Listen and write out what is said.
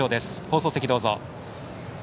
放送席、どうぞ。